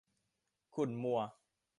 ขุ่นมัว